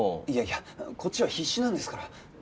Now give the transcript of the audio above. いやいやこっちは必死なんですから。